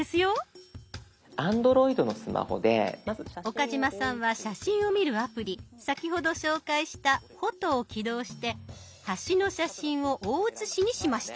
岡嶋さんは写真を見るアプリ先ほど紹介した「フォト」を起動して橋の写真を大写しにしました。